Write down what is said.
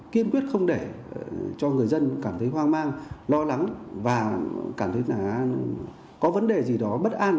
kiên quyết không để cho người dân cảm thấy hoang mang lo lắng và cảm thấy là có vấn đề gì đó bất an